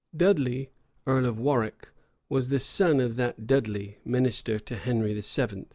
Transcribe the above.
Dudley, earl of Warwick, was the son of that Dudley, minister to Henry VII.